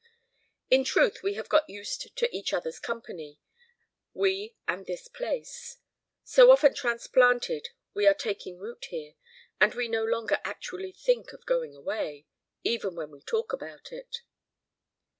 In truth we have got used to each other's company, we and this place. So often transplanted, we are taking root here, and we no longer actually think of going away, even when we talk about it.